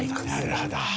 なるほど。